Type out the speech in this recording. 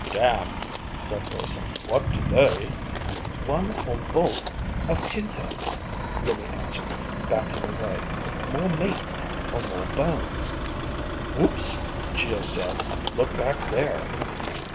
"Damn," said Urson. "What do they...?" "One, or both, of two things," Iimmi answered, backing away. "More meat, or more bones." "Whoops," Geo said. "Look back there!"